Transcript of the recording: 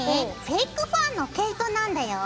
フェイクファーの毛糸なんだよ。